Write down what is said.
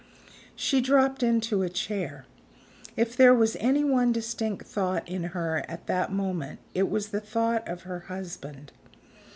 She dropped into a chair. If there was any one distinct thought in her at that moment, it was the thought of her husband.